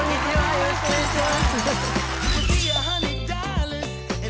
よろしくお願いします